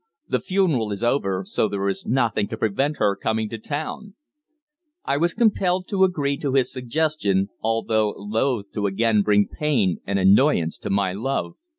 The funeral is over, so there is nothing to prevent her coming to town." I was compelled to agree to his suggestion, although loth to again bring pain and annoyance to my love.